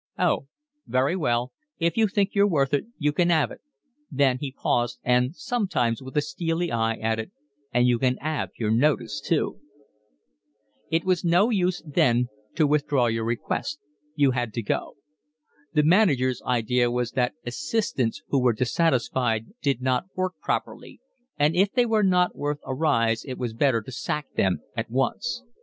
"Oh, very well, if you think you're worth it. You can 'ave it." Then he paused and sometimes, with a steely eye, added: "And you can 'ave your notice too." It was no use then to withdraw your request, you had to go. The manager's idea was that assistants who were dissatisfied did not work properly, and if they were not worth a rise it was better to sack them at once.